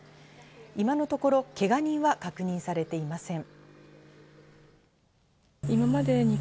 今のところけが人は確認されていません。